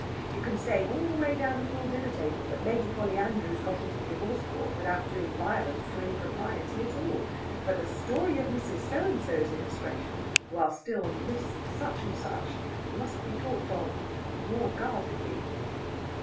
You can say all the way down a full dinner table that Lady Polly Andrews got into the Divorce Court without doing violence to any propriety at all. But the story of Mrs. So and so's indiscretion while still Miss Such and such must be talked of more guardedly.